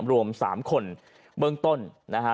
รวม๓คนเบื้องต้นนะฮะ